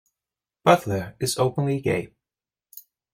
Butler is openly gay.